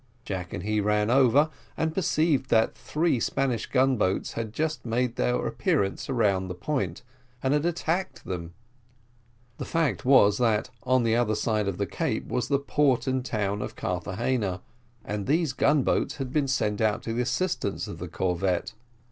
Jack and he ran over, and perceived that three Spanish gun boats had just made their appearance round the point, and had attacked them. The fact was, that on the other side of the cape was the port and town of Carthagena, and these gun boats had been sent out to the assistance of the corvette.